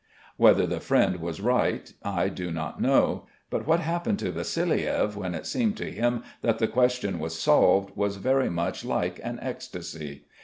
Whether the friend was right I do not know, but what happened to Vassiliev when it seemed to him that the question was solved was very much like an ecstasy.